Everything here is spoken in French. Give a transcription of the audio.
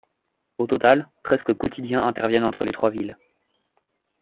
Au total, presque quotidiens interviennent entre les trois villes.